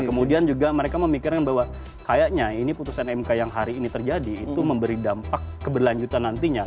nah kemudian juga mereka memikirkan bahwa kayaknya ini putusan mk yang hari ini terjadi itu memberi dampak keberlanjutan nantinya